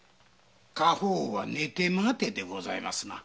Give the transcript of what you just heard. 果報は寝て待てでございますな。